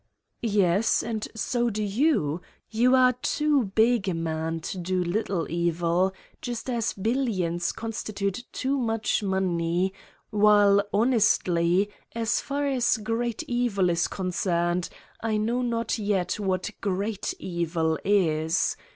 "Yes, and so do you. You are too big a man to do little evil, just as billions constitute too much money, while honestly as far as great evil is con cerned, I know not yet what great evil is?